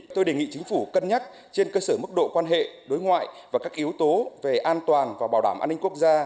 tôi đề nghị chính phủ cân nhắc trên cơ sở mức độ quan hệ đối ngoại và các yếu tố về an toàn và bảo đảm an ninh quốc gia